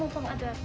bukan mumpung ada